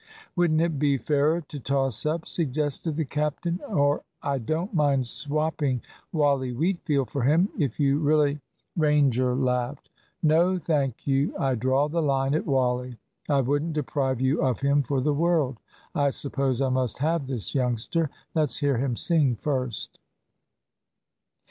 "Wouldn't it be fairer to toss up?" suggested the captain. "Or I don't mind swopping Wally Wheatfield for him; if you really " Ranger laughed. "No, thank you, I draw the line at Wally. I wouldn't deprive you of him for the world. I suppose I must have this youngster. Let's hear him sing first."